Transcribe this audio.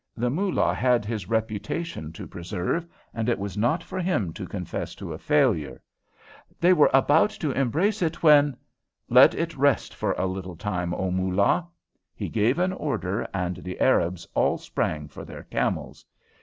The Moolah had his reputation to preserve, and it was not for him to confess to a failure. "They were about to embrace it, when " "Let it rest for a little time, O Moolah." He gave an order, and the Arabs all sprang for their camels.